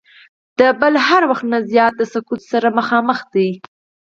د بل هر وخت نه زیات د سقوط سره مخامخ دی.